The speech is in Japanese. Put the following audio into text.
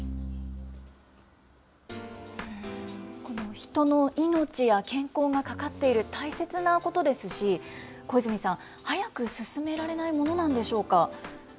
この人の命や健康がかかっている大切なことですし、小泉さん、早く進められないものなんでしょうか？